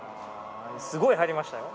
すごい流行りましたよ。